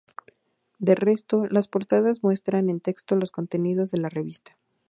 De resto, las portadas muestran en texto los contenidos de la revista.